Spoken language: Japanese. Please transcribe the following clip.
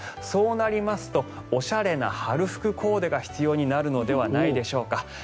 そうなりますとおしゃれな春服コーデが必要になるのではないでしょうか。